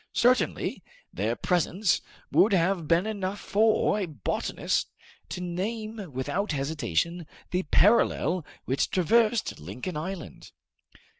Certainly their presence would have been enough for a botanist to name without hesitation the parallel which traversed Lincoln Island.